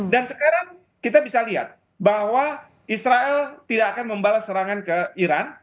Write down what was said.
dan sekarang kita bisa lihat bahwa israel tidak akan membalas serangan ke iran